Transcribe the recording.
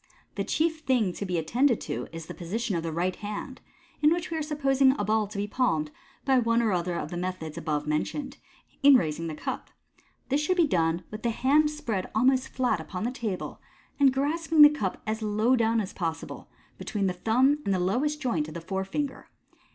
The chief thing to be attend, J to is the position of the right hand (in which we are supposing a ball to b. palmed by one or other of the methods above mentioned) in raising the cup. This should be done with the hand spread almost flat upoi the table, and grasping the cup as low down as possible, between th thumb .nd the lowest joint of the forefinger.